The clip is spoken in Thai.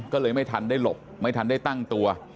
ก็เลยไม่ทันได้หลบไม่ทันได้ตั้งตัว